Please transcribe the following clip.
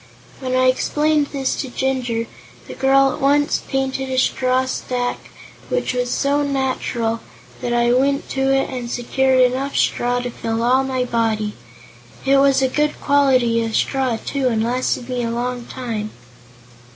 When I explained this to Jinjur, the girl at once painted a straw stack which was so natural that I went to it and secured enough straw to fill all my body. It was a good quality of straw, too, and lasted me a long time."